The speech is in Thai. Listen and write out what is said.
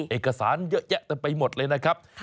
เอกสารเยอะแยะเต็มไปหมดเลยนะครับ